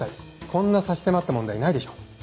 こんな差し迫った問題ないでしょ。